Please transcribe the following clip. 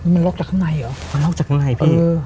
มันล็อกจากข้างในเหรอมันล็อกจากข้างในพี่